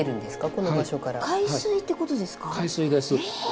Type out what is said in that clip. この場所から。